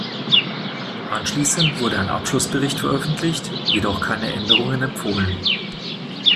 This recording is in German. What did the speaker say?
Anschließend wurde ein Abschlussbericht veröffentlicht, jedoch keine Änderungen empfohlen.